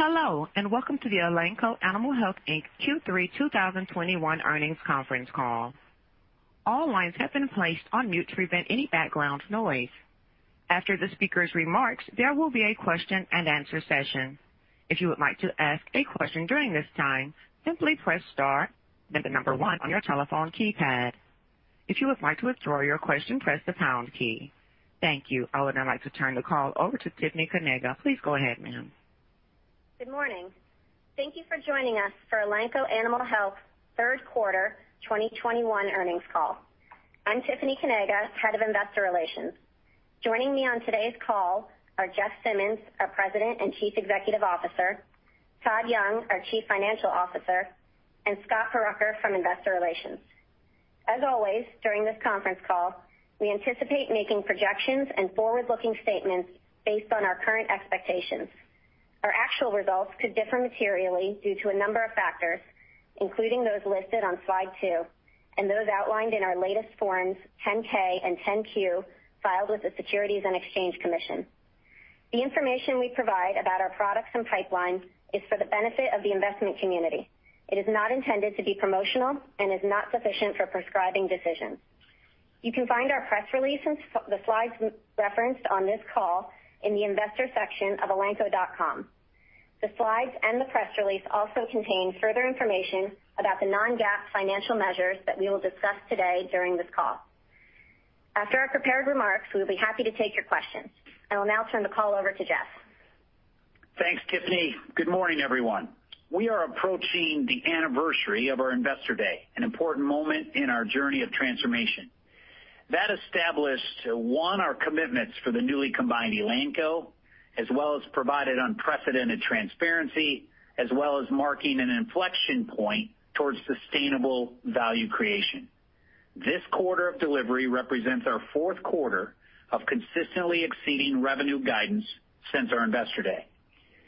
Hello, and welcome to the Elanco Animal Health Incorporated Q3 2021 earnings conference call. All lines have been placed on mute to prevent any background noise. After the speaker's remarks, there will be a question-and-answer session. If you would like to ask a question during this time, simply press star, then the number one on your telephone keypad. If you would like to withdraw your question, press the pound key. Thank you. I would now like to turn the call over to Tiffany Kanaga. Please go ahead, ma'am. Good morning. Thank you for joining us for Elanco Animal Health third quarter 2021 earnings call. I'm Tiffany Kanaga, Head of Investor Relations. Joining me on today's call are Jeff Simmons, our President and Chief Executive Officer, Todd Young, our Chief Financial Officer, and Scott Purucker from Investor Relations. As always, during this conference call, we anticipate making projections and forward-looking statements based on our current expectations. Our actual results could differ materially due to a number of factors, including those listed on slide two and those outlined in our latest forms 10-K and 10-Q filed with the Securities and Exchange Commission. The information we provide about our products and pipeline is for the benefit of the investment community. It is not intended to be promotional and is not sufficient for prescribing decisions. You can find our press release and the slides referenced on this call in the investor section of elanco.com. The slides and the press release also contain further information about the non-GAAP financial measures that we will discuss today during this call. After our prepared remarks, we will be happy to take your questions. I will now turn the call over to Jeff. Thanks, Tiffany. Good morning, everyone. We are approaching the anniversary of our Investor Day, an important moment in our journey of transformation. That established, one, our commitments for the newly combined Elanco, as well as provided unprecedented transparency, as well as marking an inflection point towards sustainable value creation. This quarter of delivery represents our fourth quarter of consistently exceeding revenue guidance since our Investor Day.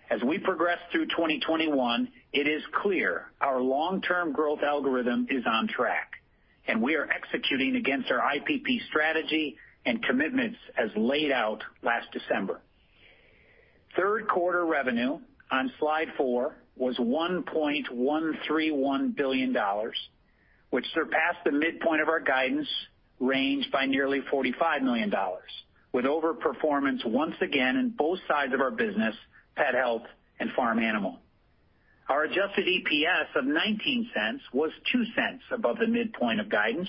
As we progress through 2021, it is clear our long-term growth algorithm is on track, and we are executing against our IPP strategy and commitments as laid out last December. Third quarter revenue on slide four was $1.131 billion, which surpassed the midpoint of our guidance range by nearly $45 million, with overperformance once again in both sides of our business, pet health and farm animal. Our adjusted EPS of $0.19 was $0.02 above the midpoint of guidance,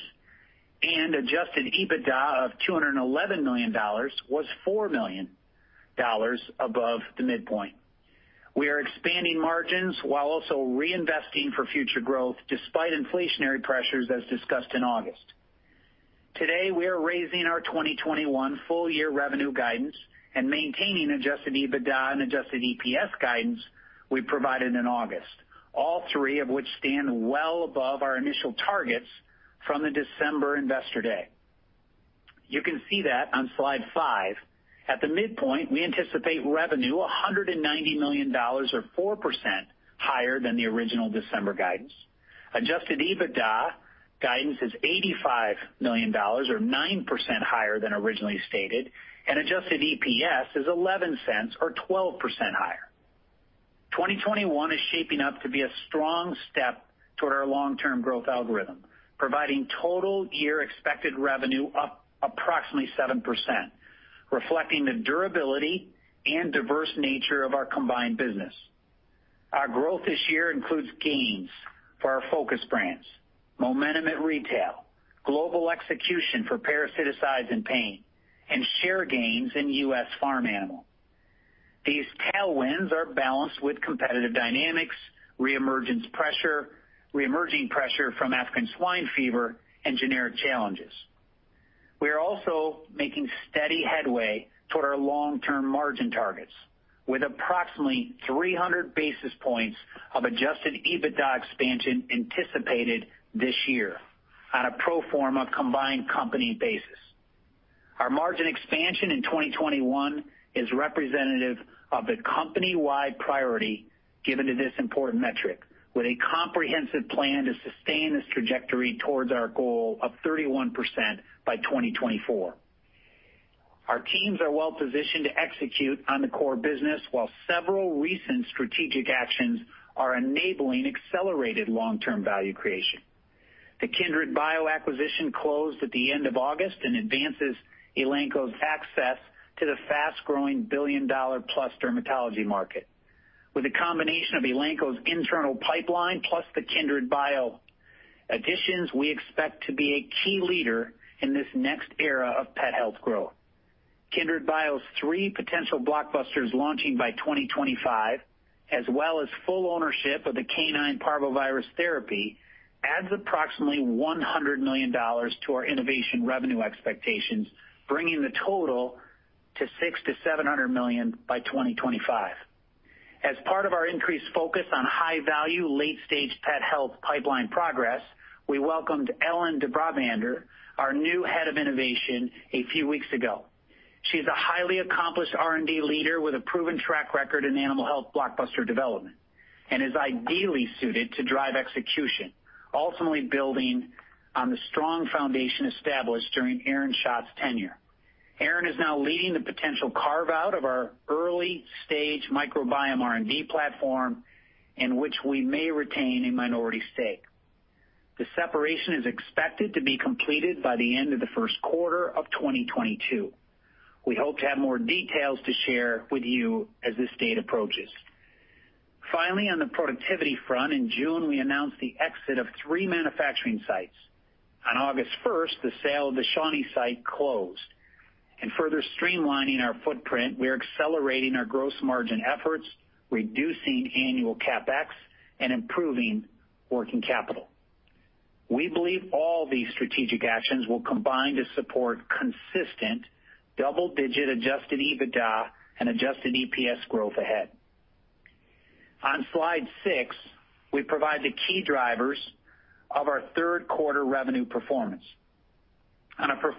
and adjusted EBITDA of $211 million was $4 million above the midpoint. We are expanding margins while also reinvesting for future growth despite inflationary pressures, as discussed in August. Today, we are raising our 2021 full-year revenue guidance and maintaining adjusted EBITDA and adjusted EPS guidance we provided in August, all three of which stand well above our initial targets from the December Investor Day. You can see that on slide five. At the midpoint, we anticipate revenue $190 million or 4% higher than the original December guidance. Adjusted EBITDA guidance is $85 million or 9% higher than originally stated, and adjusted EPS is $0.11 or 12% higher. 2021 is shaping up to be a strong step toward our long-term growth algorithm, providing total year expected revenue up approximately 7%, reflecting the durability and diverse nature of our combined business. Our growth this year includes gains for our focus brands, momentum at retail, global execution for parasiticides and pain, and share gains in U.S. farm animal. These tailwinds are balanced with competitive dynamics, reemerging pressure from African swine fever, and generic challenges. We are also making steady headway toward our long-term margin targets with approximately 300 basis points of adjusted EBITDA expansion anticipated this year on a pro forma combined company basis. Our margin expansion in 2021 is representative of the company-wide priority given to this important metric with a comprehensive plan to sustain this trajectory towards our goal of 31% by 2024. Our teams are well-positioned to execute on the core business while several recent strategic actions are enabling accelerated long-term value creation. The KindredBio acquisition closed at the end of August and advances Elanco's access to the fast-growing billion-dollar plus dermatology market. With a combination of Elanco's internal pipeline plus the KindredBio additions, we expect to be a key leader in this next era of pet health growth. KindredBio's three potential blockbusters launching by 2025, as well as full ownership of the canine parvovirus therapy, adds approximately $100 million to our innovation revenue expectations, bringing the total to $600 million-$700 million by 2025. As part of our increased focus on high-value, late-stage pet health pipeline progress, we welcomed Ellen de Brabander, our new Head of Innovation, a few weeks ago. She's a highly accomplished R&D leader with a proven track record in animal health blockbuster development. She is ideally suited to drive execution, ultimately building on the strong foundation established during Aaron Schacht's tenure. Aaron is now leading the potential carve-out of our early-stage microbiome R&D platform in which we may retain a minority stake. The separation is expected to be completed by the end of the first quarter of 2022. We hope to have more details to share with you as this date approaches. Finally, on the productivity front, in June, we announced the exit of three manufacturing sites. On August first, the sale of the Shawnee site closed. In further streamlining our footprint, we are accelerating our gross margin efforts, reducing annual CapEx, and improving working capital. We believe all these strategic actions will combine to support consistent double-digit adjusted EBITDA and adjusted EPS growth ahead. On slide six, we provide the key drivers of our third quarter revenue performance. On a pro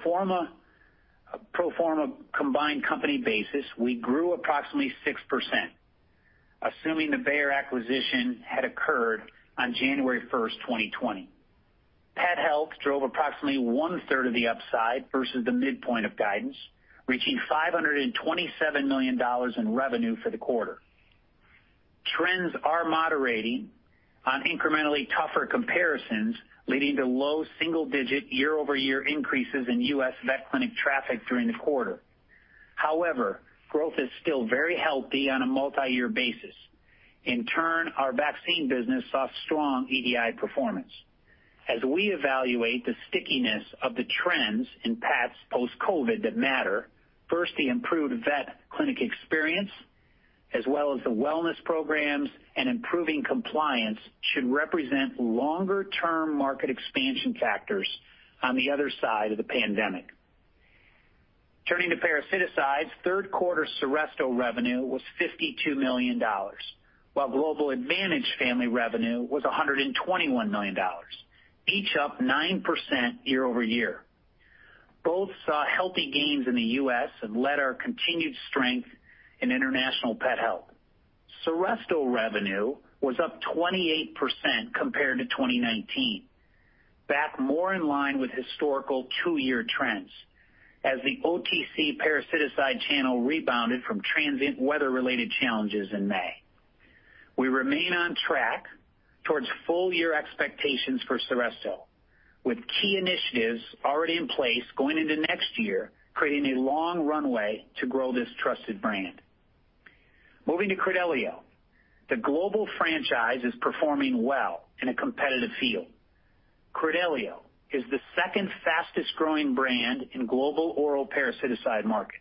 forma, pro forma combined company basis, we grew approximately 6%, assuming the Bayer acquisition had occurred on January 1, 2020. Pet health drove approximately 1/3 of the upside versus the midpoint of guidance, reaching $527 million in revenue for the quarter. Trends are moderating on incrementally tougher comparisons, leading to low single-digit year-over-year increases in U.S. vet clinic traffic during the quarter. However, growth is still very healthy on a multiyear basis. In turn, our vaccine business saw strong EDI performance. As we evaluate the stickiness of the trends in pets post-COVID that matter, first, the improved vet clinic experience, as well as the wellness programs and improving compliance should represent longer-term market expansion factors on the other side of the pandemic. Turning to parasiticides, third quarter Seresto revenue was $52 million, while Global Advantage family revenue was $121 million, each up 9% year-over-year. Both saw healthy gains in the U.S. and led our continued strength in international pet health. Seresto revenue was up 28% compared to 2019. Back more in line with historical two year trends as the OTC parasiticide channel rebounded from transient weather-related challenges in May. We remain on track towards full year expectations for Seresto, with key initiatives already in place going into next year, creating a long runway to grow this trusted brand. Moving to Credelio. The global franchise is performing well in a competitive field. Credelio is the second fastest-growing brand in global oral parasiticide market,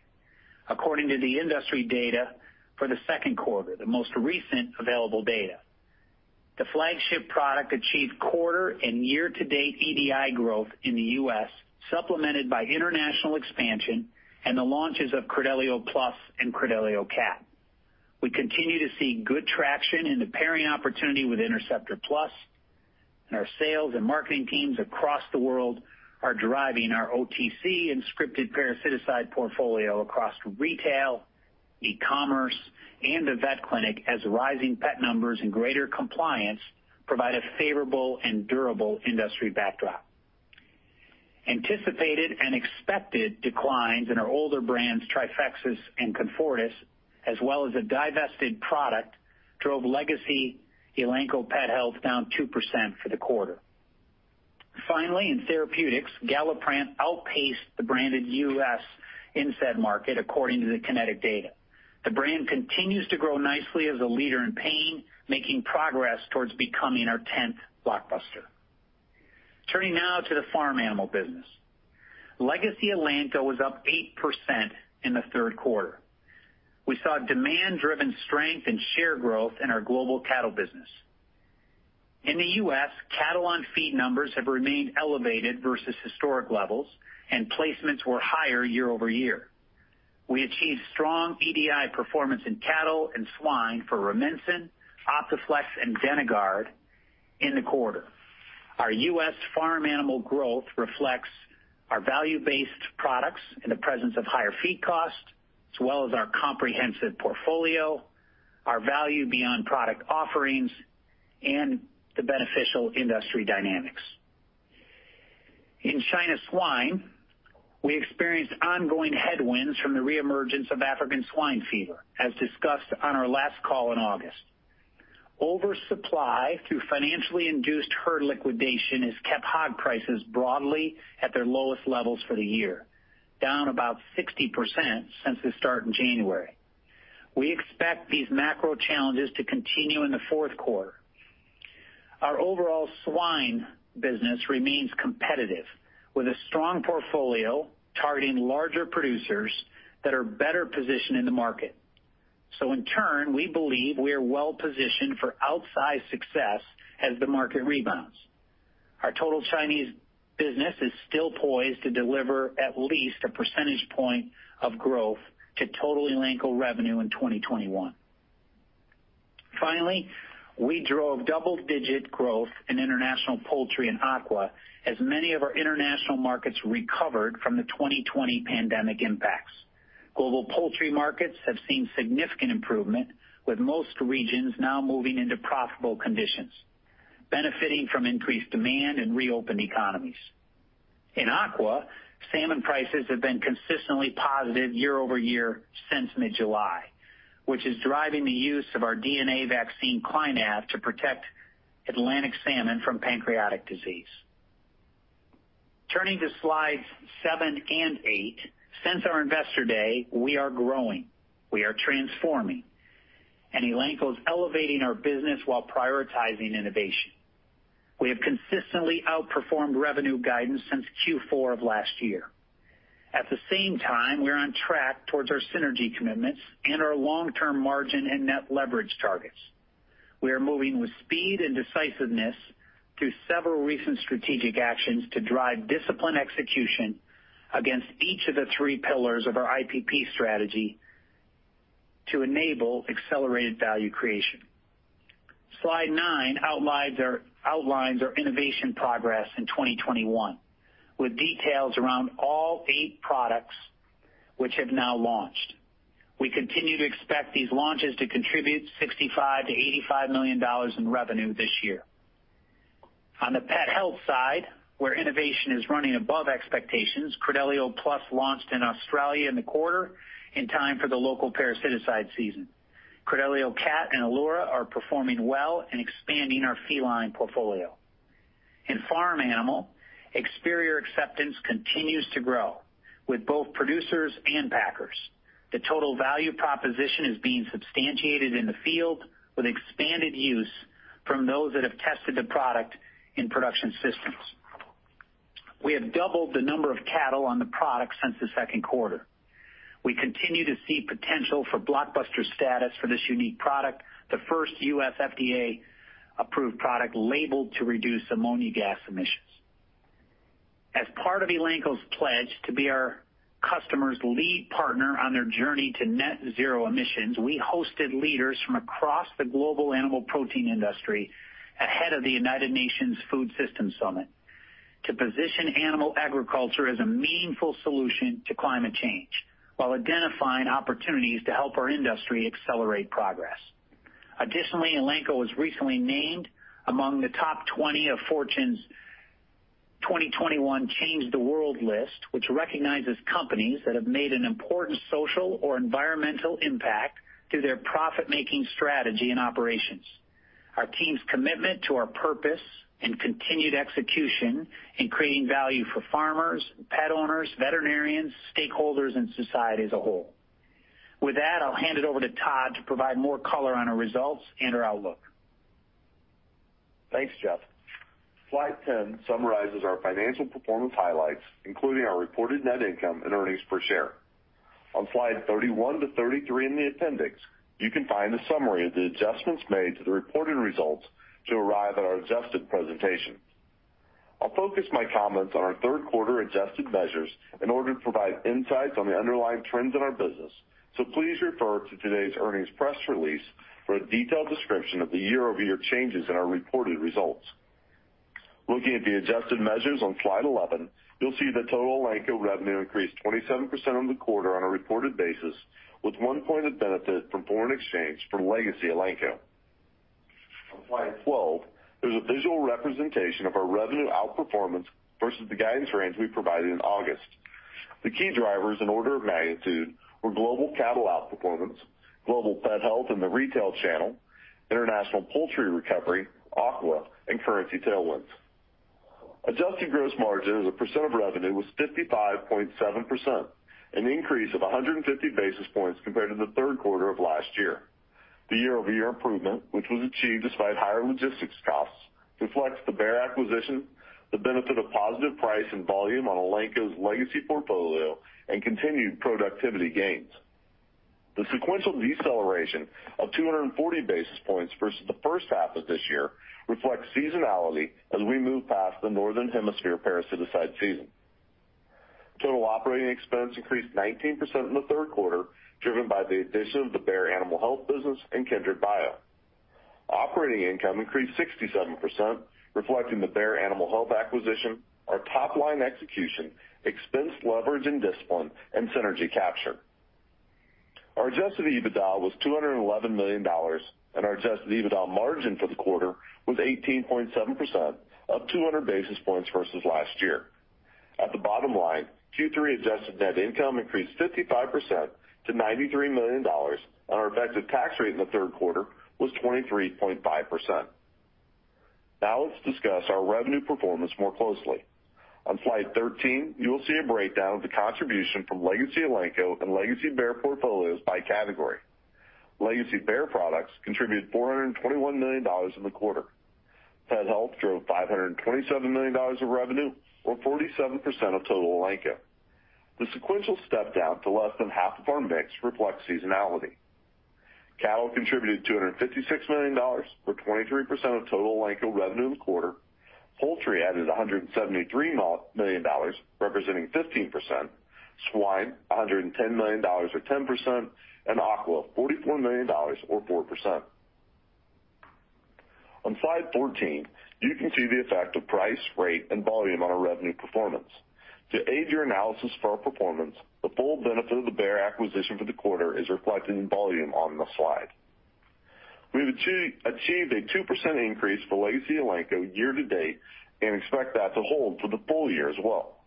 according to the industry data for the second quarter, the most recent available data. The flagship product achieved quarter and year to date EDI growth in the U.S., supplemented by international expansion and the launches of Credelio Plus and Credelio Cat. We continue to see good traction in the pairing opportunity with Interceptor Plus, and our sales and marketing teams across the world are driving our OTC and scripted parasiticide portfolio across retail, e-commerce, and the vet clinic as rising pet numbers and greater compliance provide a favorable and durable industry backdrop. Anticipated and expected declines in our older brands, Trifexis and Comfortis, as well as a divested product, drove legacy Elanco Pet Health down 2% for the quarter. Finally, in therapeutics, Galliprant outpaced the branded U.S. NSAID market, according to the Kynetec data. The brand continues to grow nicely as a leader in pain, making progress towards becoming our tenth blockbuster. Turning now to the farm animal business. Legacy Elanco was up 8% in the third quarter. We saw demand-driven strength and share growth in our global cattle business. In the U.S., cattle on feed numbers have remained elevated versus historic levels, and placements were higher year-over-year. We achieved strong EDI performance in cattle and swine for Rumensin, Optaflexx, and Denagard in the quarter. Our U.S. farm animal growth reflects our value-based products in the presence of higher feed costs, as well as our comprehensive portfolio, our value beyond product offerings, and the beneficial industry dynamics. In China swine, we experienced ongoing headwinds from the reemergence of African swine fever, as discussed on our last call in August. Oversupply through financially induced herd liquidation has kept hog prices broadly at their lowest levels for the year, down about 60% since the start in January. We expect these macro challenges to continue in the fourth quarter. Our overall swine business remains competitive, with a strong portfolio targeting larger producers that are better positioned in the market. In turn, we believe we are well-positioned for outsized success as the market rebounds. Our total Chinese business is still poised to deliver at least a percentage point of growth to total Elanco revenue in 2021. Finally, we drove double-digit growth in international poultry and aqua as many of our international markets recovered from the 2020 pandemic impacts. Global poultry markets have seen significant improvement, with most regions now moving into profitable conditions, benefiting from increased demand and reopened economies. In aqua, salmon prices have been consistently positive year-over-year since mid-July, which is driving the use of our DNA vaccine, Clynav, to protect Atlantic salmon from pancreatic disease. Turning to slides seven and eight. Since our investor day, we are growing, we are transforming, and Elanco's elevating our business while prioritizing innovation. We have consistently outperformed revenue guidance since Q4 of last year. At the same time, we're on track towards our synergy commitments and our long-term margin and net leverage targets. We are moving with speed and decisiveness through several recent strategic actions to drive disciplined execution against each of the three pillars of our IPP strategy to enable accelerated value creation. Slide nine outlines our innovation progress in 2021, with details around all eight products which have now launched. We continue to expect these launches to contribute $65 million-$85 million in revenue this year. On the pet health side, where innovation is running above expectations, Credelio Plus launched in Australia in the quarter in time for the local parasiticide season. Credelio Cat and Elura are performing well and expanding our feline portfolio. In farm animal, Experior acceptance continues to grow with both producers and packers. The total value proposition is being substantiated in the field with expanded use from those that have tested the product in production systems. We have doubled the number of cattle on the product since the second quarter. We continue to see potential for blockbuster status for this unique product, the first U.S. FDA-approved product labeled to reduce ammonia gas emissions. As part of Elanco's pledge to be our customers' lead partner on their journey to net zero emissions, we hosted leaders from across the global animal protein industry ahead of the United Nations Food Systems Summit to position animal agriculture as a meaningful solution to climate change while identifying opportunities to help our industry accelerate progress. Additionally, Elanco was recently named among the top 20 of Fortune's 2021 Change the World list, which recognizes companies that have made an important social or environmental impact through their profit-making strategy and operations, our team's commitment to our purpose and continued execution in creating value for farmers, pet owners, veterinarians, stakeholders, and society as a whole. With that, I'll hand it over to Todd to provide more color on our results and our outlook. Thanks, Jeff. Slide 10 summarizes our financial performance highlights, including our reported net income and earnings per share. On slide 31 to 33 in the appendix, you can find a summary of the adjustments made to the reported results to arrive at our adjusted presentation. I'll focus my comments on our third quarter adjusted measures in order to provide insights on the underlying trends in our business, so please refer to today's earnings press release for a detailed description of the year-over-year changes in our reported results. Looking at the adjusted measures on slide 11, you'll see that total Elanco revenue increased 27% in the quarter on a reported basis, with 1 point of benefit from foreign exchange from legacy Elanco. On slide 12, there's a visual representation of our revenue outperformance versus the guidance range we provided in August. The key drivers in order of magnitude were global cattle outperformance, global pet health in the retail channel, international poultry recovery, aqua, and currency tailwinds. Adjusted gross margin as a percent of revenue was 55.7%, an increase of 150 basis points compared to the third quarter of last year. The year-over-year improvement, which was achieved despite higher logistics costs, reflects the Bayer acquisition, the benefit of positive price and volume on Elanco's legacy portfolio, and continued productivity gains. The sequential deceleration of 240 basis points versus the H1 of this year reflects seasonality as we move past the Northern Hemisphere parasiticide season. Total operating expense increased 19% in the third quarter, driven by the addition of the Bayer Animal Health business and KindredBio. Operating income increased 67%, reflecting the Bayer Animal Health acquisition, our top-line execution, expense leverage and discipline, and synergy capture. Our adjusted EBITDA was $211 million, and our adjusted EBITDA margin for the quarter was 18.7%, up 200 basis points versus last year. At the bottom line, Q3 adjusted net income increased 55% to $93 million, and our effective tax rate in the third quarter was 23.5%. Now let's discuss our revenue performance more closely. On slide 13, you will see a breakdown of the contribution from legacy Elanco and legacy Bayer portfolios by category. Legacy Bayer products contributed $421 million in the quarter. Pet health drove $527 million of revenue or 47% of total Elanco. The sequential step down to less than half of our mix reflects seasonality. Cattle contributed $256 million or 23% of total Elanco revenue in the quarter. Poultry added $173 million, representing 15%; swine, $110 million or 10%; and aqua, $44 million or 4%. On slide 14, you can see the effect of price, rate, and volume on our revenue performance. To aid your analysis for our performance, the full benefit of the Bayer acquisition for the quarter is reflected in volume on the slide. We've achieved a 2% increase for legacy Elanco year to date and expect that to hold for the full year as well.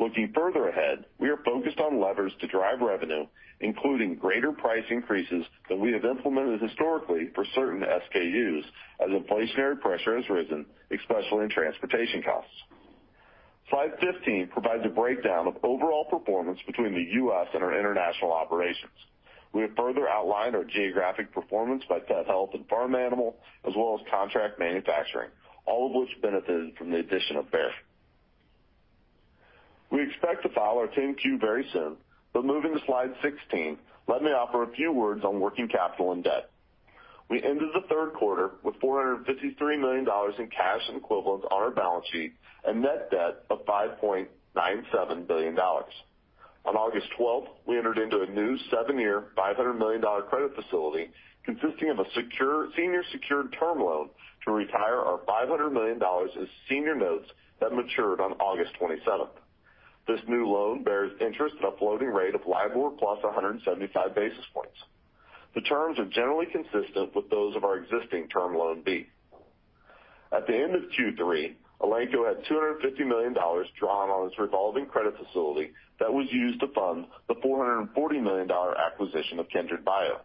Looking further ahead, we are focused on levers to drive revenue, including greater price increases than we have implemented historically for certain SKUs as inflationary pressure has risen, especially in transportation costs. Slide 15 provides a breakdown of overall performance between the U.S. and our international operations. We have further outlined our geographic performance by pet health and farm animal as well as contract manufacturing, all of which benefited from the addition of Bayer. We expect to file our 10-Q very soon, but moving to Slide 16, let me offer a few words on working capital and debt. We ended the third quarter with $453 million in cash equivalents on our balance sheet and net debt of $5.97 billion. On August 12, we entered into a new seven year, $500 million credit facility consisting of a senior secured term loan to retire our $500 million in senior notes that matured on August 27. This new loan bears interest at a floating rate of LIBOR plus 175 basis points. The terms are generally consistent with those of our existing term loan B. At the end of Q3, Elanco had $250 million drawn on its revolving credit facility that was used to fund the $440 million acquisition of KindredBio.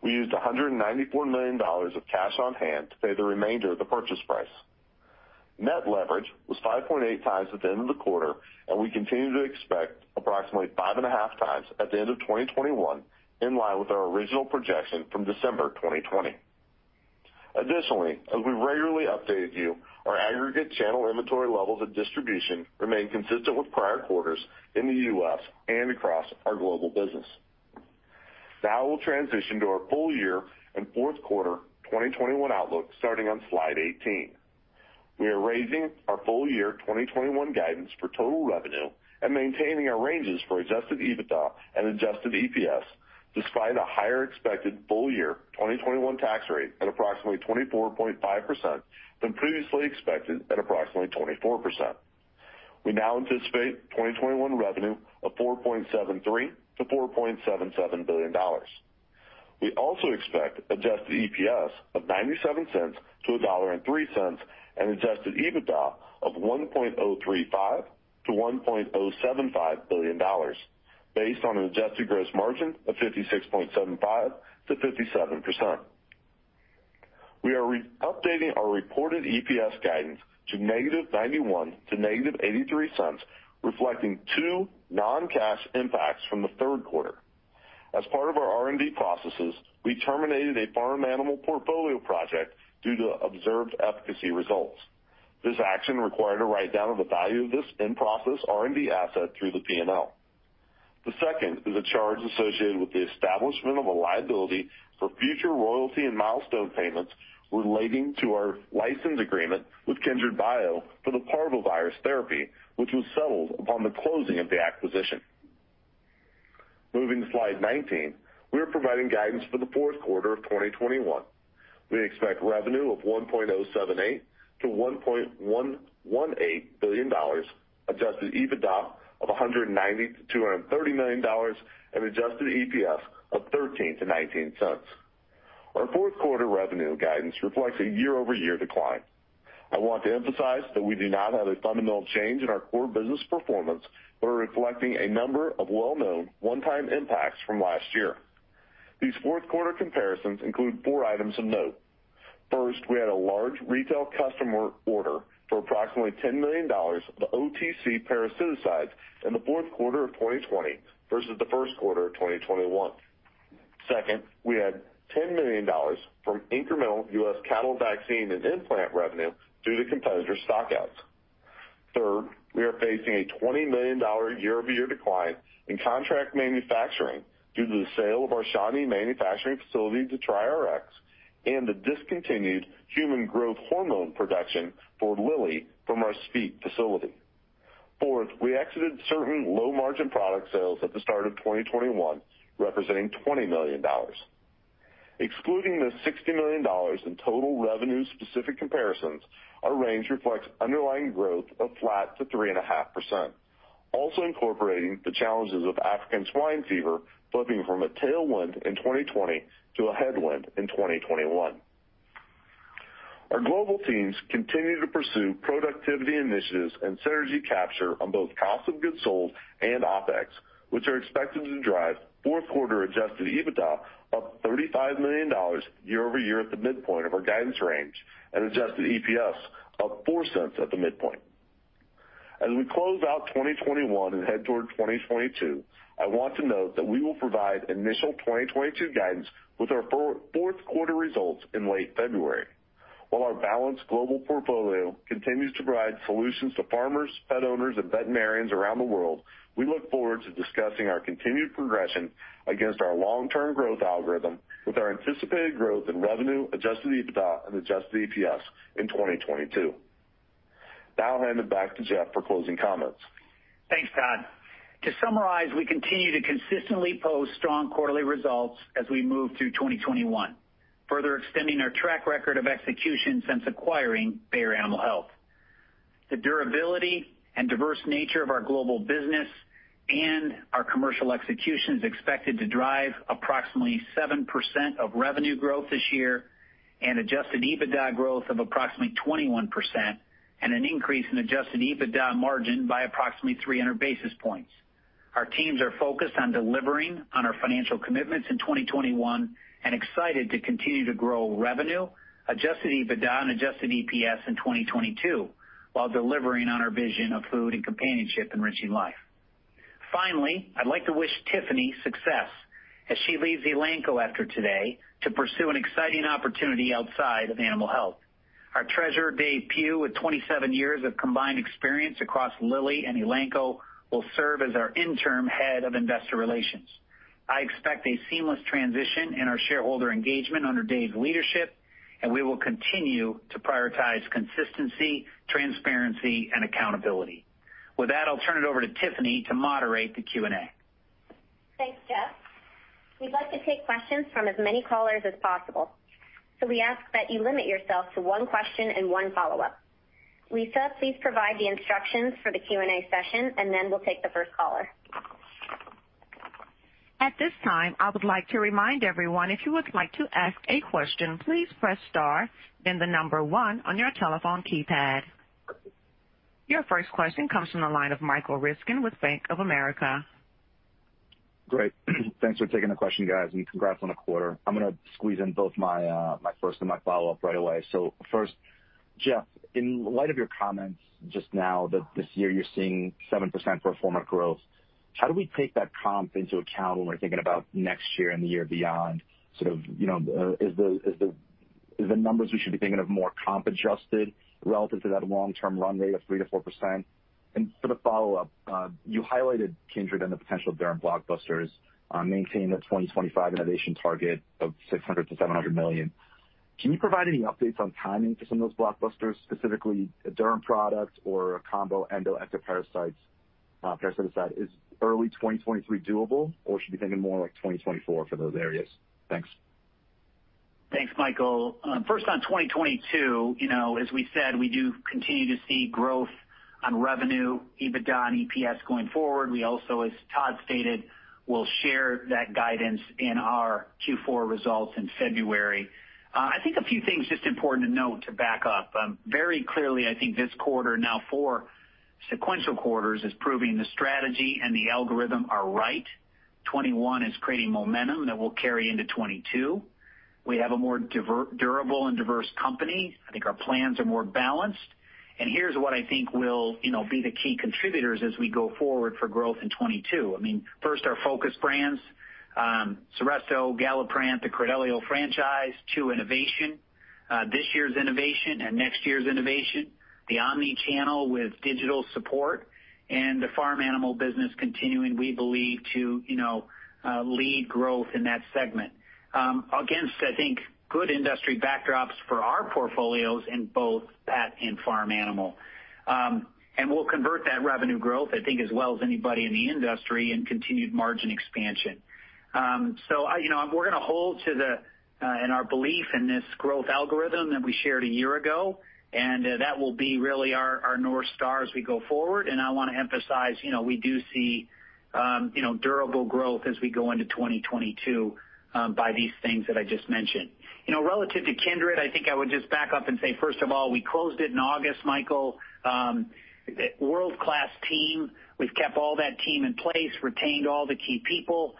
We used $194 million of cash on hand to pay the remainder of the purchase price. Net leverage was 5.8x at the end of the quarter, and we continue to expect approximately 5.5x at the end of 2021, in line with our original projection from December 2020. Additionally, as we regularly update you, our aggregate channel inventory levels of distribution remain consistent with prior quarters in the U.S. and across our global business. Now we'll transition to our full year and fourth quarter 2021 outlook starting on slide 18. We are raising our full year 2021 guidance for total revenue and maintaining our ranges for adjusted EBITDA and adjusted EPS despite a higher expected full year 2021 tax rate at approximately 24.5% than previously expected at approximately 24%. We now anticipate 2021 revenue of $4.73 billion-$4.77 billion. We also expect adjusted EPS of $0.97-$1.03 and adjusted EBITDA of $1.035 billion-$1.075 billion based on an adjusted gross margin of 56.75%-57%. We are updating our reported EPS guidance to -$0.91 to -$0.83, reflecting two non-cash impacts from the third quarter. As part of our R&D processes, we terminated a farm animal portfolio project due to observed efficacy results. This action required a write-down of the value of this in-process R&D asset through the P&L. The second is a charge associated with the establishment of a liability for future royalty and milestone payments relating to our license agreement with KindredBio for the parvovirus therapy, which was settled upon the closing of the acquisition. Moving to slide 19. We are providing guidance for the fourth quarter of 2021. We expect revenue of $1.078 billion-$1.118 billion, adjusted EBITDA of $190 million-$230 million and adjusted EPS of $0.13-$0.19. Our fourth quarter revenue guidance reflects a year-over-year decline. I want to emphasize that we do not have a fundamental change in our core business performance. We're reflecting a number of well-known one-time impacts from last year. These fourth quarter comparisons include four items of note. First, we had a large retail customer order for approximately $10 million of OTC parasiticides in the fourth quarter of 2020 versus the first quarter of 2021. Second, we had $10 million from incremental U.S. cattle vaccine and implant revenue due to competitor stock-outs. Third, we are facing a $20 million year-over-year decline in contract manufacturing due to the sale of our Shawnee manufacturing facility to TriRx and the discontinued human growth hormone production for Lilly from our SPEED facility. Fourth, we exited certain low-margin product sales at the start of 2021, representing $20 million. Excluding the $60 million in total revenue-specific comparisons, our range reflects underlying growth of flat to 3.5%, also incorporating the challenges of African swine fever flipping from a tailwind in 2020 to a headwind in 2021. Our global teams continue to pursue productivity initiatives and synergy capture on both cost of goods sold and OpEx, which are expected to drive fourth quarter adjusted EBITDA up $35 million year-over-year at the midpoint of our guidance range and adjusted EPS up $0.04 at the midpoint. As we close out 2021 and head toward 2022, I want to note that we will provide initial 2022 guidance with our fourth quarter results in late February. While our balanced global portfolio continues to provide solutions to farmers, pet owners, and veterinarians around the world, we look forward to discussing our continued progression against our long-term growth algorithm with our anticipated growth in revenue, adjusted EBITDA, and adjusted EPS in 2022. Now I'll hand it back to Jeff for closing comments. Thanks, Todd. To summarize, we continue to consistently post strong quarterly results as we move through 2021, further extending our track record of execution since acquiring Bayer Animal Health. The durability and diverse nature of our global business and our commercial execution is expected to drive approximately 7% of revenue growth this year and adjusted EBITDA growth of approximately 21% and an increase in adjusted EBITDA margin by approximately 300 basis points. Our teams are focused on delivering on our financial commitments in 2021 and excited to continue to grow revenue, adjusted EBITDA, and adjusted EPS in 2022 while delivering on our vision of food and companionship enriching life. Finally, I'd like to wish Tiffany success as she leaves Elanco after today to pursue an exciting opportunity outside of animal health. Our treasurer, Dave Pugh, with 27 years of combined experience across Lilly and Elanco, will serve as our interim head of investor relations. I expect a seamless transition in our shareholder engagement under Dave's leadership, and we will continue to prioritize consistency, transparency, and accountability. With that, I'll turn it over to Tiffany to moderate the Q&A. Thanks, Jeff. We'd like to take questions from as many callers as possible, so we ask that you limit yourself to one question and one follow-up. Lisa, please provide the instructions for the Q&A session, and then we'll take the first caller. At this time, I would like to remind everyone if you would like to ask a question, please press star, then the number one on your telephone keypad. Your first question comes from the line of Michael Ryskin with Bank of America. Great. Thanks for taking the question, guys, and congrats on the quarter. I'm gonna squeeze in both my first and my follow-up right away. First, Jeff, in light of your comments just now that this year you're seeing 7% pro forma growth, how do we take that comp into account when we're thinking about next year and the year beyond? Sort of, you know, is the numbers we should be thinking of more comp-adjusted relative to that long-term run rate of 3%-4%? And for the follow-up, you highlighted KindredBio and the potential derm blockbusters, maintaining the 2025 innovation target of $600 million-$700 million. Can you provide any updates on timing for some of those blockbusters, specifically a derm product or a combo endo-ecto parasites, parasiticide? Is early 2023 doable, or should we be thinking more like 2024 for those areas? Thanks. Thanks, Michael Ryskin. First on 2022, you know, as we said, we do continue to see growth on revenue, EBITDA, and EPS going forward. We also, as Todd Young stated, will share that guidance in our Q4 results in February. I think a few things just important to note to back up. Very clearly, I think this quarter, now 4 sequential quarters, is proving the strategy and the algorithm are right. 2021 is creating momentum that will carry into 2022. We have a more durable and diverse company. I think our plans are more balanced. Here's what I think will, you know, be the key contributors as we go forward for growth in 2022. I mean, first, our focus brands, Seresto, Galliprant, the Credelio franchise to innovation, this year's innovation and next year's innovation, the omnichannel with digital support and the farm animal business continuing, we believe, to, you know, lead growth in that segment, against, I think, good industry backdrops for our portfolios in both pet and farm animal. We'll convert that revenue growth, I think as well as anybody in the industry, in continued margin expansion. I, you know, we're gonna hold to the, in our belief in this growth algorithm that we shared a year ago, and that will be really our North Star as we go forward. I wanna emphasize, you know, we do see, you know, durable growth as we go into 2022, by these things that I just mentioned. You know, relative to Kindred, I think I would just back up and say, first of all, we closed it in August, Michael. World-class team. We've kept all that team in place, retained all the key people.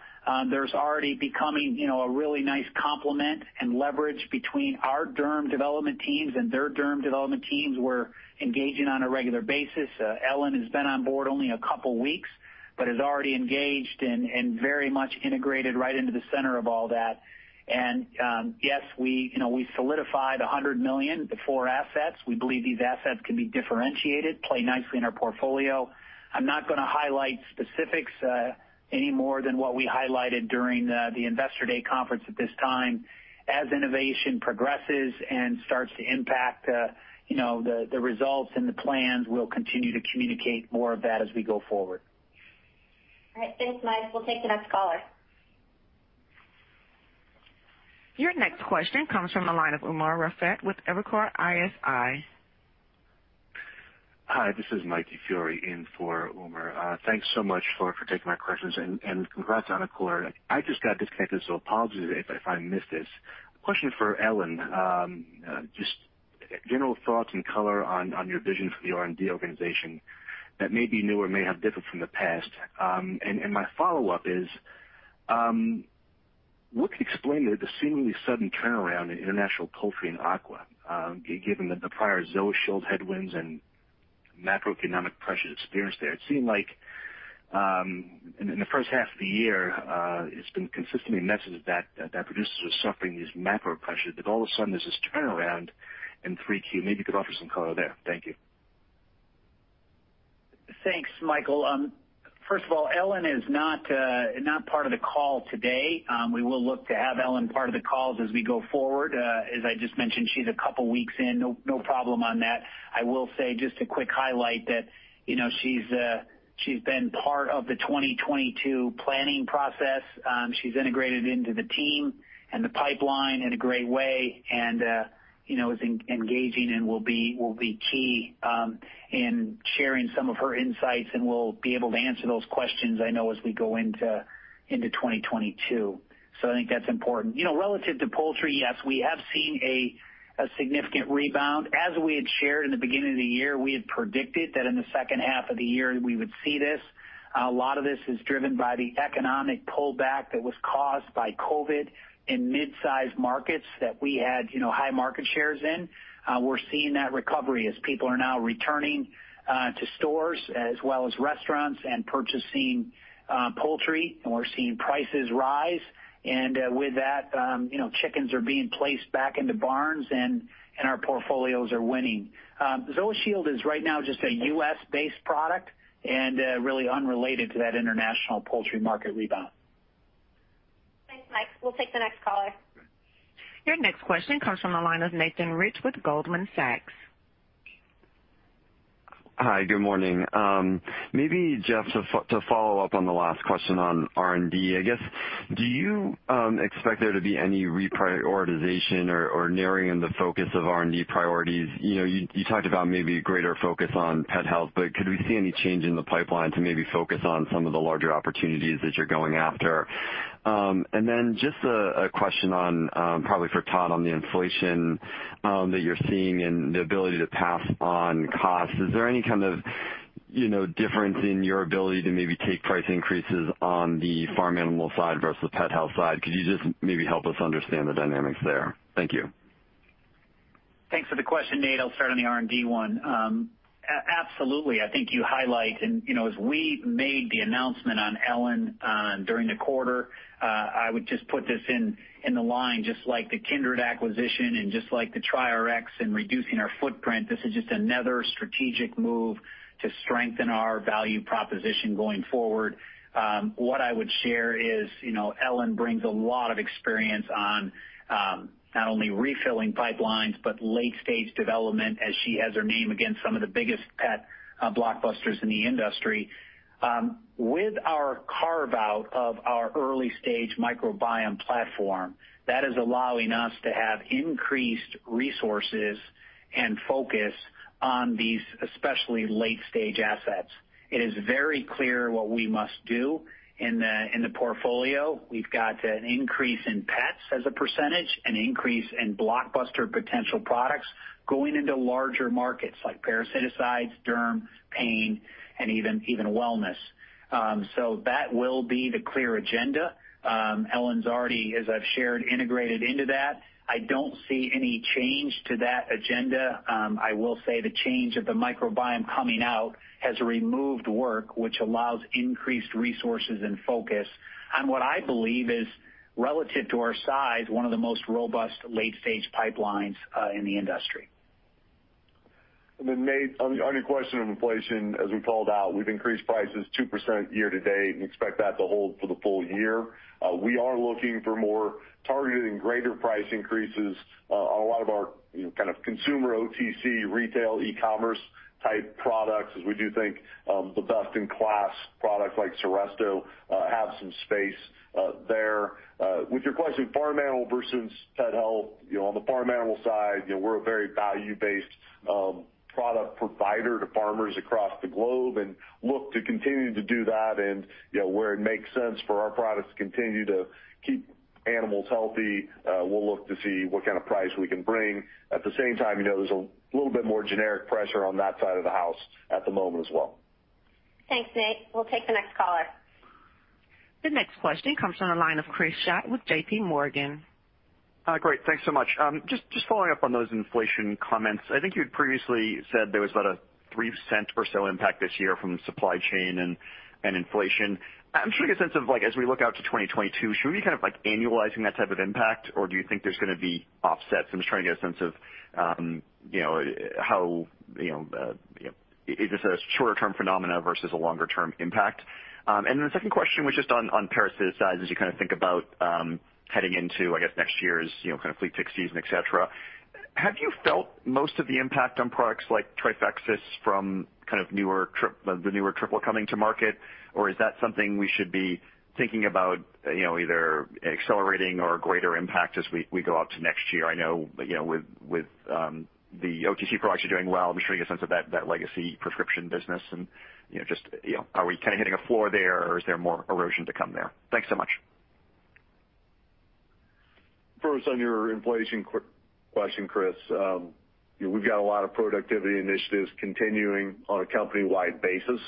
There's already becoming, you know, a really nice complement and leverage between our derm development teams and their derm development teams. We're engaging on a regular basis. Ellen has been on board only a couple weeks but is already engaged and very much integrated right into the center of all that. Yes, we, you know, we solidified $100 million, the four assets. We believe these assets can be differentiated, play nicely in our portfolio. I'm not gonna highlight specifics, any more than what we highlighted during the Investor Day conference at this time. As innovation progresses and starts to impact, you know, the results and the plans, we'll continue to communicate more of that as we go forward. All right. Thanks, Mike. We'll take the next caller. Your next question comes from the line of Umer Raffat with Evercore ISI. Hi, this is Mike DiFiore in for Umer Raffat. Thanks so much, Ford, for taking my questions, and congrats on the quarter. I just got disconnected, so apologies if I missed this. Question for Ellen de Brabander. Just general thoughts and color on your vision for the R&D organization that may be new or may have differed from the past. And my follow-up is what can explain the seemingly sudden turnaround in international poultry and aqua, given the prior ZoaShield headwinds and macroeconomic pressures experienced there. It seemed like in the H1 of the year, it's been consistently messaged that producers were suffering these macro pressures, but all of a sudden there's this turnaround in 3Q. Maybe you could offer some color there? Thank you. Thanks, Michael. First of all, Ellen is not part of the call today. We will look to have Ellen part of the calls as we go forward. As I just mentioned, she's a couple weeks in, no problem on that. I will say just a quick highlight that, you know, she's been part of the 2022 planning process. She's integrated into the team and the pipeline in a great way and, you know, is engaging and will be key in sharing some of her insights, and we'll be able to answer those questions, I know, as we go into 2022. I think that's important. You know, relative to poultry, yes, we have seen a significant rebound. As we had shared in the beginning of the year, we had predicted that in the H2 of the year we would see this. A lot of this is driven by the economic pullback that was caused by COVID in mid-sized markets that we had, you know, high market shares in. We're seeing that recovery as people are now returning to stores as well as restaurants and purchasing poultry, and we're seeing prices rise. With that, you know, chickens are being placed back into barns, and our portfolios are winning. ZoaShield is right now just a U.S.-based product and really unrelated to that international poultry market rebound. Thanks, Mike. We'll take the next caller. Your next question comes from the line of Nathan Rich with Goldman Sachs. Hi, good morning. Maybe, Jeff, to follow up on the last question on R&D, I guess. Do you expect there to be any reprioritization or narrowing in the focus of R&D priorities? You know, you talked about maybe a greater focus on pet health, but could we see any change in the pipeline to maybe focus on some of the larger opportunities that you're going after? Just a question on, probably for Todd on the inflation that you're seeing and the ability to pass on costs. Is there any kind of, you know, difference in your ability to maybe take price increases on the farm animal side versus the pet health side? Could you just maybe help us understand the dynamics there? Thank you. Thanks for the question, Nate. I'll start on the R&D one. Absolutely. I think you highlight and, you know, as we made the announcement on Ellen de Brabander during the quarter, I would just put this in the line just like the KindredBio acquisition and just like the TriRx in reducing our footprint. This is just another strategic move to strengthen our value proposition going forward. What I would share is, you know, Ellen de Brabander brings a lot of experience on not only refilling pipelines, but late-stage development as she has her name against some of the biggest pet blockbusters in the industry. With our carve-out of our early-stage microbiome platform, that is allowing us to have increased resources and focus on these especially late-stage assets. It is very clear what we must do in the portfolio. We've got an increase in pets as a percentage, an increase in blockbuster potential products going into larger markets like parasiticides, derm, pain, and even wellness. That will be the clear agenda. Ellen's already, as I've shared, integrated into that. I don't see any change to that agenda. I will say the change of the microbiome coming out has removed work which allows increased resources and focus on what I believe is, relative to our size, one of the most robust late-stage pipelines in the industry. Nate, on your question of inflation, as we called out, we've increased prices 2% year to date and expect that to hold for the full year. We are looking for more targeted and greater price increases on a lot of our, you know, kind of consumer OTC, retail, e-commerce type products, as we do think the best-in-class products like Seresto have some space there. With your question, farm animal versus pet health, you know, on the farm animal side, you know, we're a very value-based product provider to farmers across the globe and look to continue to do that. You know, where it makes sense for our products to continue to keep animals healthy, we'll look to see what kind of price we can bring. At the same time, you know, there's a little bit more generic pressure on that side of the house at the moment as well. Thanks, Nathan. We'll take the next caller. The next question comes from the line of Chris Schott with J.P. Morgan. Great. Thanks so much. Just following up on those inflation comments. I think you had previously said there was about a $0.03 or so impact this year from supply chain and inflation. I'm just trying to get a sense of, like, as we look out to 2022, should we be kind of, like, annualizing that type of impact, or do you think there's gonna be offsets? I'm just trying to get a sense of, you know, how, you know, you know, is this a shorter-term phenomenon versus a longer-term impact? The second question was just on parasiticides as you kind of think about, heading into, I guess, next year's, you know, kind of flea and tick season, et cetera. Have you felt most of the impact on products like Trifexis from kind of the newer triple coming to market? Or is that something we should be thinking about, you know, either accelerating or a greater impact as we go out to next year? I know, you know, with the OTC products, you're doing well. I'm just trying to get a sense of that legacy prescription business and, you know, just, you know, are we kind of hitting a floor there, or is there more erosion to come there? Thanks so much. First, on your inflation question, Chris, you know, we've got a lot of productivity initiatives continuing on a company-wide basis.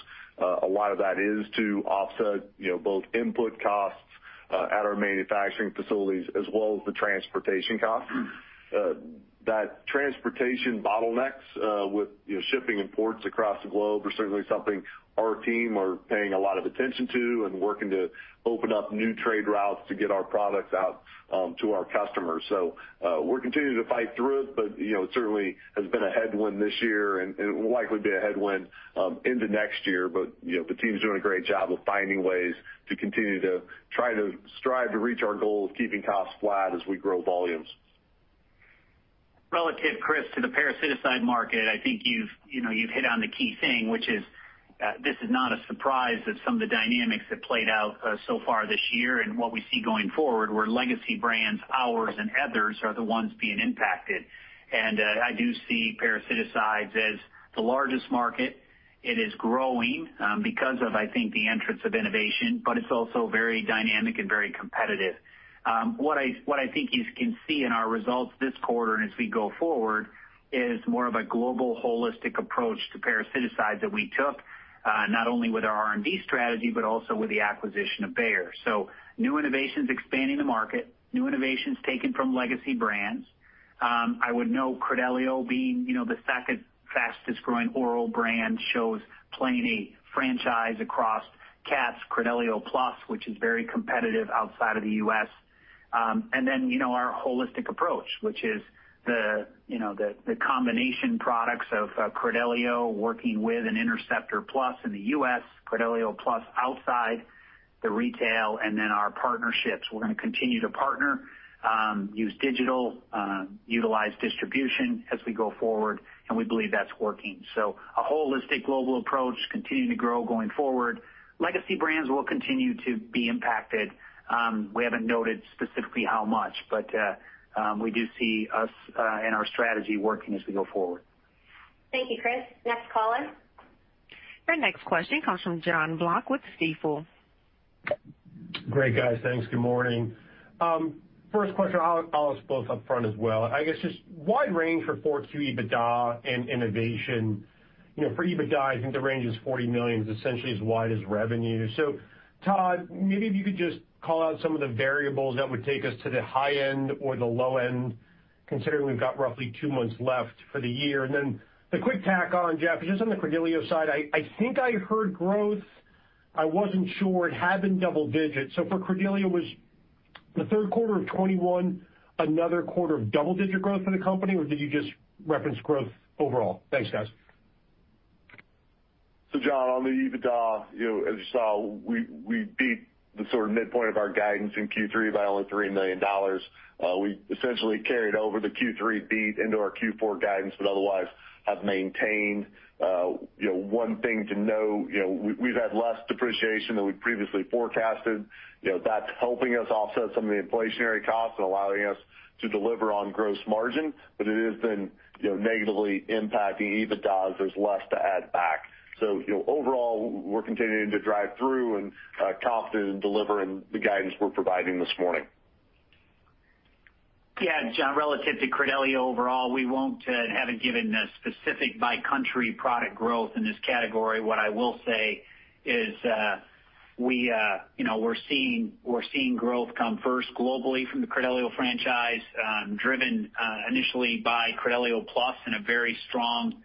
A lot of that is to offset, you know, both input costs at our manufacturing facilities as well as the transportation costs. That transportation bottlenecks with, you know, shipping and ports across the globe are certainly something our team are paying a lot of attention to and working to open up new trade routes to get our products out to our customers. We're continuing to fight through it, but you know, it certainly has been a headwind this year and will likely be a headwind into next year. You know, the team's doing a great job of finding ways to continue to try to strive to reach our goal of keeping costs flat as we grow volumes. Relative to the parasiticide market, Chris Schott, I think you've, you know, you've hit on the key thing, which is this is not a surprise that some of the dynamics that played out so far this year and what we see going forward, where legacy brands, ours and others, are the ones being impacted. I do see parasiticides as the largest market. It is growing because of, I think, the entrance of innovation, but it's also very dynamic and very competitive. What I think you can see in our results this quarter and as we go forward is more of a global holistic approach to parasiticides that we took not only with our R&D strategy but also with the acquisition of Bayer. New innovations expanding the market, new innovations taken from legacy brands. I would note Credelio being, you know, the second fastest growing oral brand shows plenty franchise across cats, Credelio Plus, which is very competitive outside of the U.S. And then, you know, our holistic approach, which is the, you know, the combination products of Credelio working with an Interceptor Plus in the U.S., Credelio Plus outside the U.S. retail, and then our partnerships. We're gonna continue to partner, use digital, utilize distribution as we go forward, and we believe that's working. A holistic global approach continuing to grow going forward. Legacy brands will continue to be impacted. We haven't noted specifically how much, but we do see our strategy working as we go forward. Thank you, Chris. Next caller. Your next question comes from Jon Block with Stifel. Great, guys. Thanks. Good morning. First question, I'll ask both upfront as well. I guess just wide range for Q4 EBITDA and innovation. You know, for EBITDA, I think the range is $40 million, is essentially as wide as revenue. Todd, maybe if you could just call out some of the variables that would take us to the high end or the low end, considering we've got roughly two months left for the year. Then the quick tack on, Jeff, just on the Credelio side, I think I heard growth. I wasn't sure it had been double-digit. For Credelio, was the third quarter of 2021 another quarter of double-digit growth for the company, or did you just reference growth overall? Thanks, guys. Jon, on the EBITDA, you know, as you saw, we beat the sort of midpoint of our guidance in Q3 by only $3 million. We essentially carried over the Q3 beat into our Q4 guidance, but otherwise have maintained. One thing to know, you know, we've had less depreciation than we previously forecasted. You know, that's helping us offset some of the inflationary costs and allowing us to deliver on gross margin. But it has been, you know, negatively impacting EBITDA as there's less to add back. You know, overall, we're continuing to drive through and confident in delivering the guidance we're providing this morning. Yeah, Jon, relative to Credelio overall, we haven't given a specific by country product growth in this category. What I will say is, we, you know, we're seeing growth come first globally from the Credelio franchise, driven initially by Credelio Plus and a very strong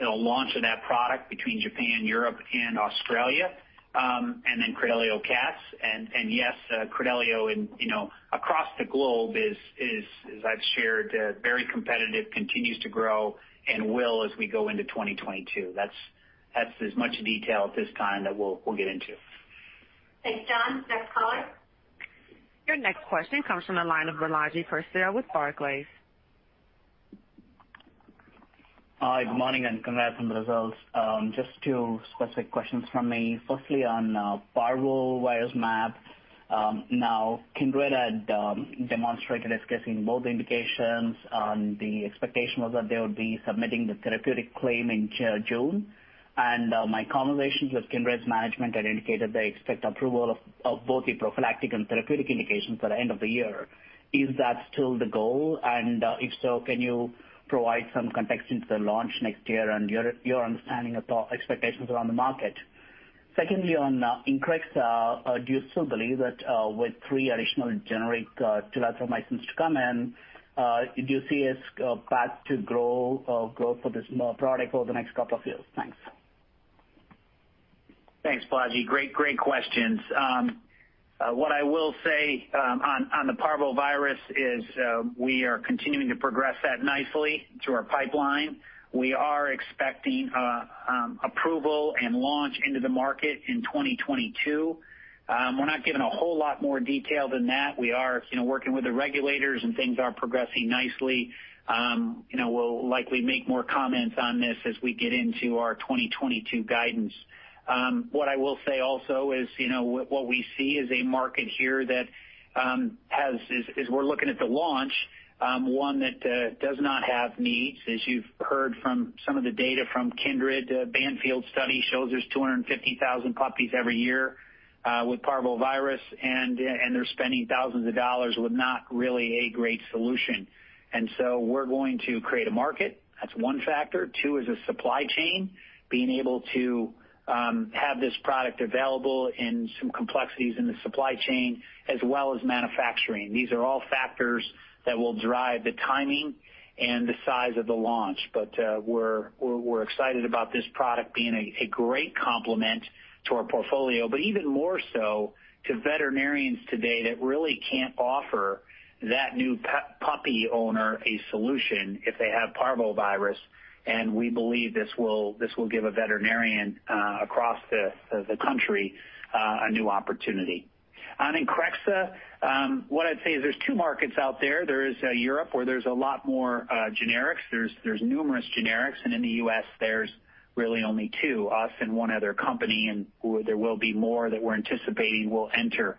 launch of that product between Japan, Europe and Australia, and then Credelio Cat. Yes, Credelio across the globe is as I've shared very competitive, continues to grow and will as we go into 2022. That's as much detail at this time that we'll get into. Thanks, Jon. Next caller. Your next question comes from the line of Balaji V. Prasad with Barclays. Hi, good morning and congrats on the results. Just two specific questions from me. Firstly, on parvovirus mAb, now KindredBio had demonstrated discussing both indications and the expectation was that they would be submitting the therapeutic claim in June. My conversations with KindredBio's management had indicated they expect approval of both the prophylactic and therapeutic indications by the end of the year. Is that still the goal? If so, can you provide some context into the launch next year and your understanding of expectations around the market? Secondly, on Increxxa, do you still believe that with 3 additional generic tulathromycins to come in, do you see a path to growth for this new product over the next couple of years? Thanks. Thanks, Balaji. Great questions. What I will say on the Parvovirus is we are continuing to progress that nicely through our pipeline. We are expecting approval and launch into the market in 2022. We're not giving a whole lot more detail than that. We are, you know, working with the regulators and things are progressing nicely. You know, we'll likely make more comments on this as we get into our 2022 guidance. What I will say also is, you know, what we see is a market here that is one we're looking at the launch, one that does not have needs. As you've heard from some of the data from KindredBio, Banfield study shows there's 250,000 puppies every year with Parvovirus and they're spending thousands of dollars with not really a great solution. We're going to create a market. That's one factor. Two is a supply chain, being able to have this product available and some complexities in the supply chain as well as manufacturing. These are all factors that will drive the timing and the size of the launch. We're excited about this product being a great complement to our portfolio, but even more so to veterinarians today that really can't offer that new puppy owner a solution if they have Parvovirus. We believe this will give a veterinarian across the country a new opportunity. In Increxxa, what I'd say is there's two markets out there. There is Europe, where there's a lot more generics. There's numerous generics, and in the U.S., there's really only two, us and one other company, and there will be more that we're anticipating will enter.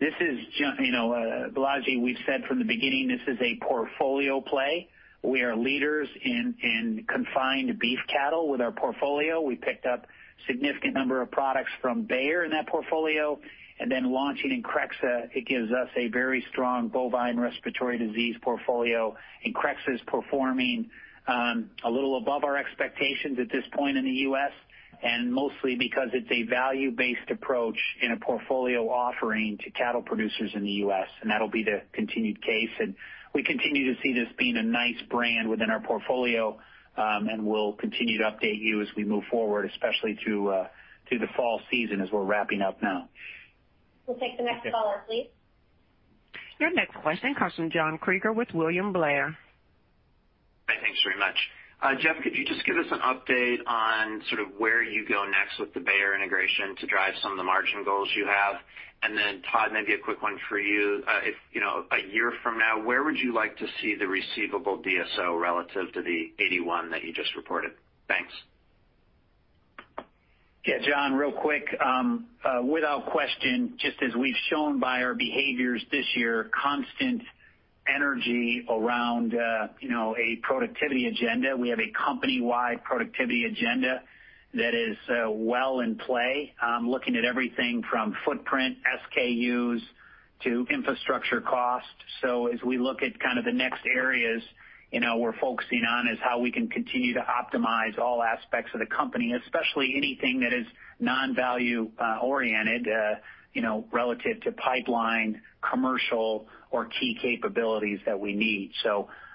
This is, you know, Balaji, we've said from the beginning, this is a portfolio play. We are leaders in confined beef cattle with our portfolio. We picked up significant number of products from Bayer in that portfolio, and then launching Increxxa, it gives us a very strong bovine respiratory disease portfolio. Increxxa is performing a little above our expectations at this point in the U.S., and mostly because it's a value-based approach in a portfolio offering to cattle producers in the U.S., and that'll be the continued case. We continue to see this being a nice brand within our portfolio, and we'll continue to update you as we move forward, especially through the fall season as we're wrapping up now. We'll take the next caller, please. Your next question comes from John Kreger with William Blair. Thanks very much. Jeff, could you just give us an update on sort of where you go next with the Bayer integration to drive some of the margin goals you have? Todd, maybe a quick one for you. If, you know, a year from now, where would you like to see the receivable DSO relative to the 81 that you just reported? Thanks. Yeah, John, real quick, without question, just as we've shown by our behaviors this year, constant energy around, you know, a productivity agenda. We have a company-wide productivity agenda that is, well in play, looking at everything from footprint, SKUs to infrastructure costs. As we look at kind of the next areas, you know, we're focusing on is how we can continue to optimize all aspects of the company, especially anything that is non-value oriented, you know, relative to pipeline, commercial or key capabilities that we need.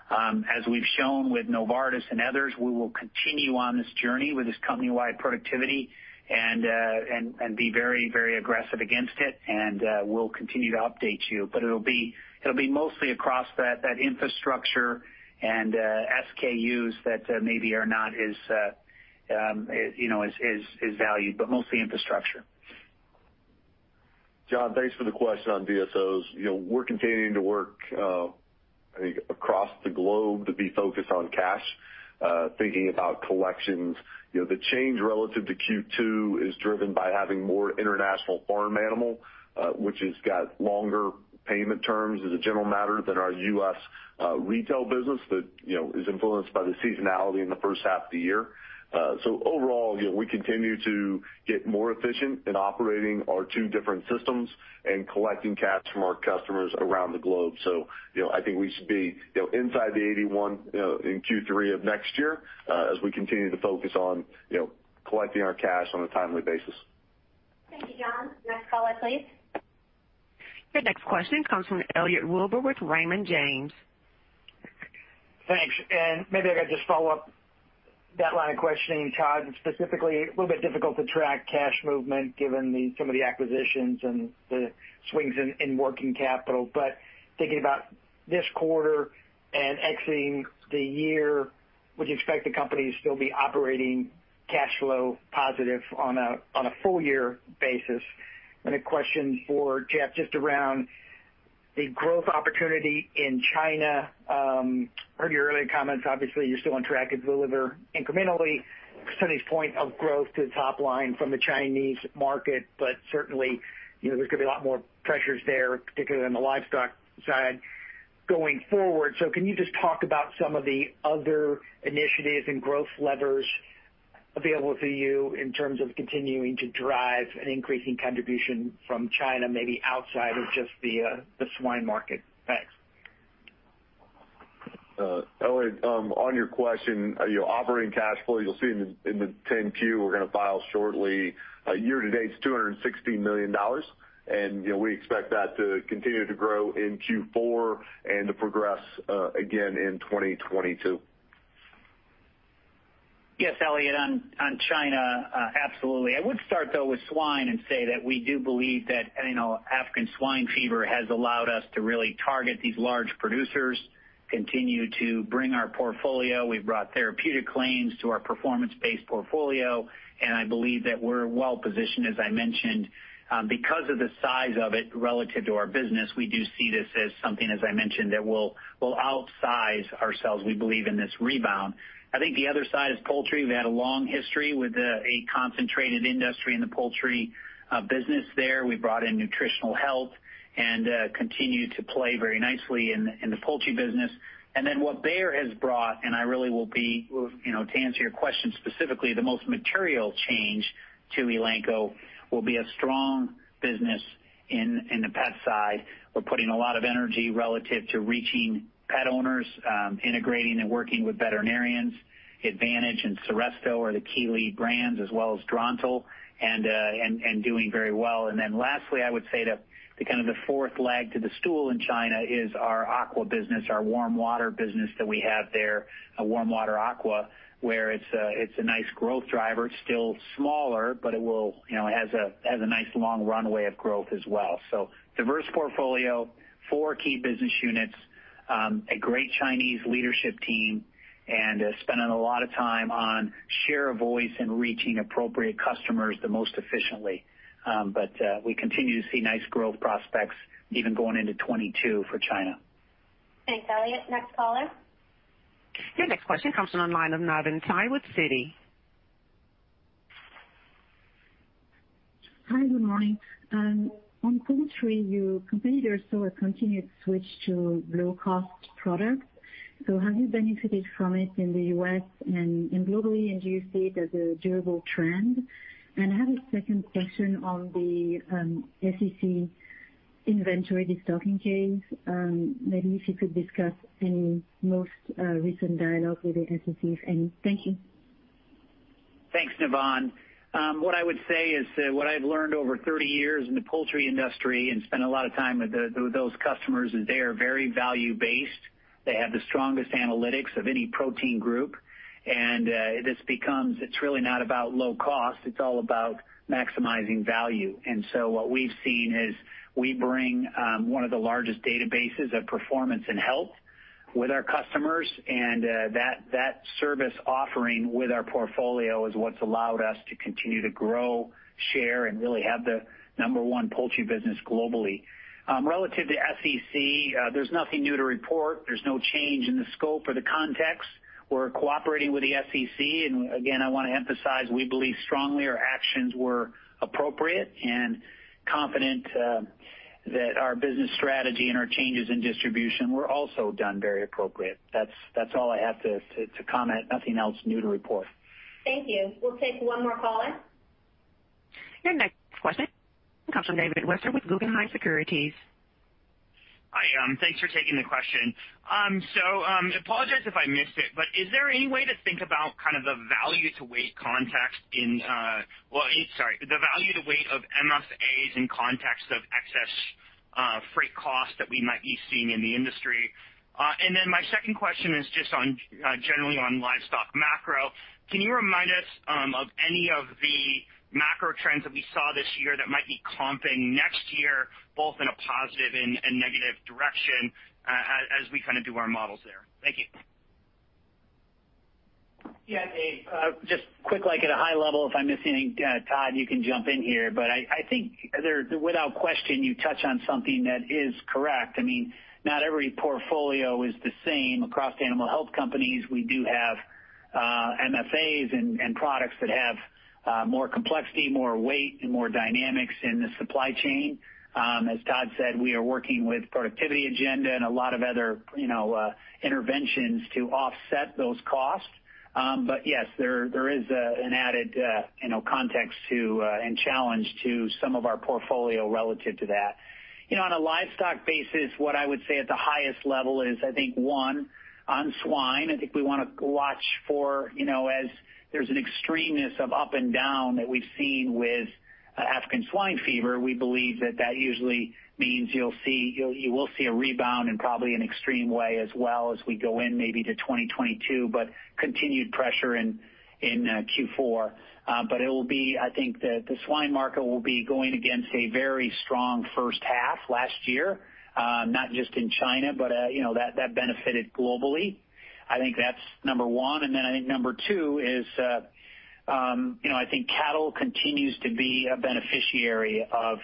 As we've shown with Novartis and others, we will continue on this journey with this company-wide productivity and be very, very aggressive against it, and we'll continue to update you. It'll be mostly across that infrastructure and SKUs that maybe are not as, you know, as valued, but mostly infrastructure. John, thanks for the question on DSOs. You know, we're continuing to work, I think across the globe to be focused on cash, thinking about collections. You know, the change relative to Q2 is driven by having more international farm animal, which has got longer payment terms as a general matter than our U.S., retail business that, you know, is influenced by the seasonality in the H1 of the year. Overall, you know, we continue to get more efficient in operating our two different systems and collecting cash from our customers around the globe. You know, I think we should be, you know, inside the 81, you know, in Q3 of next year, as we continue to focus on, you know, collecting our cash on a timely basis. Thank you, John. Next caller, please. Your next question comes from Elliott Wilbur with Raymond James. Thanks. Maybe I could just follow up that line of questioning, Todd, specifically. A little bit difficult to track cash movement given some of the acquisitions and the swings in working capital. Thinking about this quarter and exiting the year, would you expect the company to still be operating cash flow positive on a full year basis? A question for Jeff, just around the growth opportunity in China. Heard your earlier comments. Obviously, you're still on track to deliver an incremental percentage point of growth to the top line from the Chinese market, but certainly, you know, there's going to be a lot more pressures there, particularly on the livestock side going forward. Can you just talk about some of the other initiatives and growth levers available to you in terms of continuing to drive an increasing contribution from China, maybe outside of just the swine market? Thanks. Elliott, on your question, you know, operating cash flow, you'll see in the 10-Q we're going to file shortly. Year to date is $216 million, and, you know, we expect that to continue to grow in Q4 and to progress again in 2022. Yes, Elliot, on China, absolutely. I would start, though, with swine and say that we do believe that, you know, African swine fever has allowed us to really target these large producers, continue to bring our portfolio. We've brought therapeutic claims to our performance-based portfolio, and I believe that we're well positioned, as I mentioned. Because of the size of it relative to our business, we do see this as something, as I mentioned, that will outsize ourselves, we believe, in this rebound. I think the other side is poultry. We've had a long history with a concentrated industry in the poultry business there. We've brought in nutritional health and continue to play very nicely in the poultry business. What Bayer has brought, and I really will be, you know, to answer your question specifically, the most material change to Elanco will be a strong business in the pet side. We're putting a lot of energy relative to reaching pet owners, integrating and working with veterinarians. Advantage and Seresto are the key lead brands as well as Drontal and doing very well. Lastly, I would say that the kind of the fourth leg to the stool in China is our aqua business, our warm water business that we have there, a warm water aqua, where it's a nice growth driver. It's still smaller, but it will has a nice long runway of growth as well. Diverse portfolio, four key business units, a great Chinese leadership team, and spending a lot of time on share of voice and reaching appropriate customers the most efficiently. We continue to see nice growth prospects even going into 2022 for China. Thanks, Elliot. Next caller. Your next question comes from the line of Navann Ty with Citi. Hi, good morning. On poultry, your competitors saw a continued switch to low-cost products. Have you benefited from it in the U.S. and globally? Do you see it as a durable trend? I have a second question on the SEC inventory destocking case. Maybe if you could discuss the most recent dialogue with the SEC. Thank you. Thanks, Navann. What I would say is that what I've learned over 30 years in the poultry industry and spent a lot of time with those customers is they are very value-based. They have the strongest analytics of any protein group. This becomes it's really not about low cost, it's all about maximizing value. What we've seen is we bring one of the largest databases of performance and health with our customers, and that service offering with our portfolio is what's allowed us to continue to grow share, and really have the number one poultry business globally. Relative to SEC, there's nothing new to report. There's no change in the scope or the context. We're cooperating with the SEC. Again, I wanna emphasize we believe strongly our actions were appropriate and confident that our business strategy and our changes in distribution were also done very appropriate. That's all I have to comment. Nothing else new to report. Thank you. We'll take one more caller. Your next question comes from David Westenberg with Guggenheim Securities. Hi, thanks for taking the question. So, apologize if I missed it, but is there any way to think about kind of the value to weight of MFAs in context of excess freight costs that we might be seeing in the industry? And then my second question is just on generally on livestock macro. Can you remind us of any of the macro trends that we saw this year that might be comping next year, both in a positive and negative direction, as we kinda do our models there? Thank you. Yeah, Dave, just quick, like at a high level, if I miss anything, Todd, you can jump in here, but I think without question, you touch on something that is correct. I mean, not every portfolio is the same across animal health companies. We do have MFAs and products that have more complexity, more weight and more dynamics in the supply chain. As Todd said, we are working with productivity agenda and a lot of other, you know, interventions to offset those costs. Yes, there is an added, you know, context to and challenge to some of our portfolio relative to that. You know, on a livestock basis, what I would say at the highest level is, I think, one, on swine, I think we wanna watch for, you know, as there's an extremeness of up and down that we've seen with African swine fever. We believe that usually means you will see a rebound in probably an extreme way as well as we go in maybe to 2022, but continued pressure in Q4. But it'll be, I think, the swine market will be going against a very strong H1 last year, not just in China, but, you know, that benefited globally. I think that's number one. I think number two is, you know, I think cattle continues to be a beneficiary of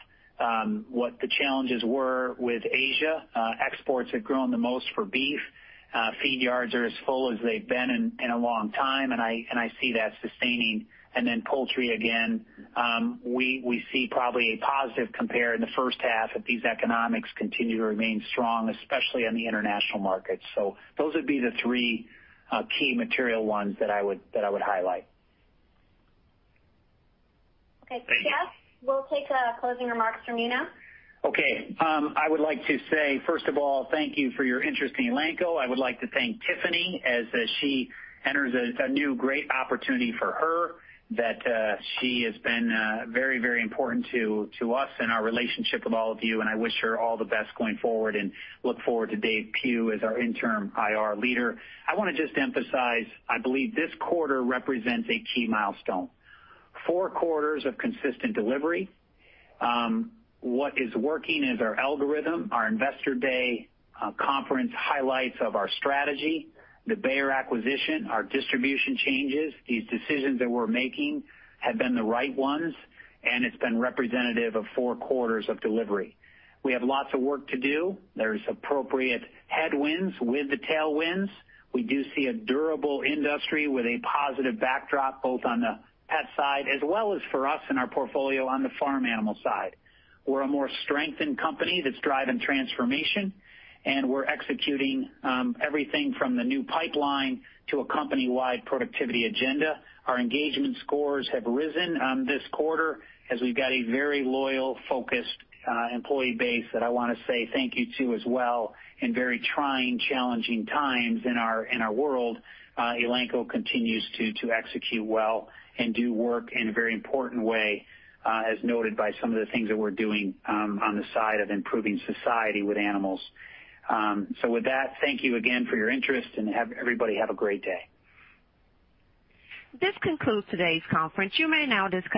what the challenges were with Asia. Exports have grown the most for beef. Feed yards are as full as they've been in a long time, and I see that sustaining. Poultry again, we see probably a positive comp in the H1 if these economics continue to remain strong, especially on the international markets. Those would be the three key material ones that I would highlight. Okay. Thank you. Jeff, we'll take closing remarks from you now. Okay. I would like to say, first of all, thank you for your interest in Elanco. I would like to thank Tiffany as she enters a new great opportunity for her, that she has been very important to us and our relationship with all of you. I wish her all the best going forward and look forward to Dave Pugh as our interim IR leader. I wanna just emphasize, I believe this quarter represents a key milestone. Four quarters of consistent delivery. What is working is our algorithm, our investor day, conference highlights of our strategy, the Bayer acquisition, our distribution changes. These decisions that we're making have been the right ones, and it's been representative of four quarters of delivery. We have lots of work to do. There's appropriate headwinds with the tailwinds. We do see a durable industry with a positive backdrop, both on the pet side as well as for us and our portfolio on the farm animal side. We're a more strengthened company that's driving transformation, and we're executing everything from the new pipeline to a company-wide productivity agenda. Our engagement scores have risen this quarter as we've got a very loyal, focused employee base that I wanna say thank you to as well in very trying, challenging times in our world. Elanco continues to execute well and do work in a very important way, as noted by some of the things that we're doing on the side of improving society with animals. With that, thank you again for your interest, and everybody have a great day. This concludes today's conference. You may now disconnect.